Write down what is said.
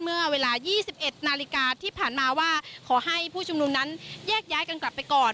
เมื่อเวลา๒๑นาฬิกาที่ผ่านมาว่าขอให้ผู้ชุมนุมนั้นแยกย้ายกันกลับไปก่อน